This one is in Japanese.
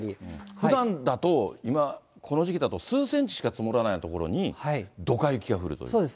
ふだんだと、今この時期だと数センチしか積もらないような所にどか雪が降るとそうです。